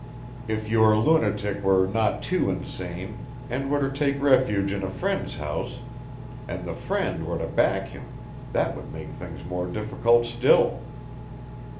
If your lunatic were not too insane, and were to take refuge in a friend's house, and the friend were to back him, that would make things more difficult still."